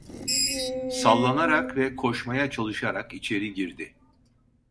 Sallanarak ve koşmaya çalışarak içeri girdi...